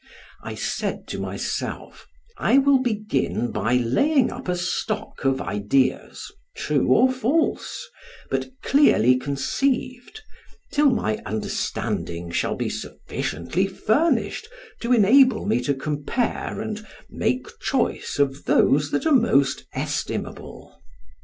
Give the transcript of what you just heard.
I said to myself, "I will begin by laying up a stock of ideas, true or false, but clearly conceived, till my understanding shall be sufficiently furnished to enable me to compare and make choice of those that are most estimable."